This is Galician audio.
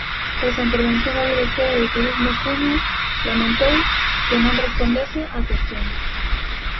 Tras a intervención da directora de Turismo Cuña lamentou que "non respondese" á cuestión.